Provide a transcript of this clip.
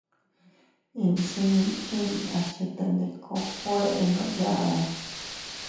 Insiin inñas chetendikokuennooya.